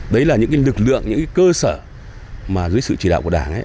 đấy là những lực lượng những cơ sở mà dưới sự chỉ đạo của đảng